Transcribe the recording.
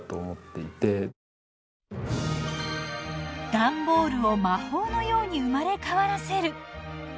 段ボールを魔法のように生まれ変わらせる。